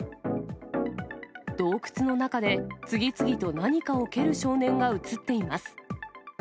洞窟の中で、次々と何かを蹴る少年が写っています。